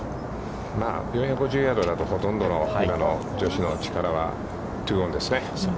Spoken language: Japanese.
４５０ヤードだとほとんどの今の女子の力はツーオンですね。